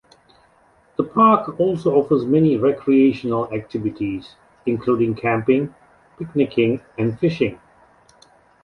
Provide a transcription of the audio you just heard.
The park also offers many recreational activities, including camping, picnicking and fishing.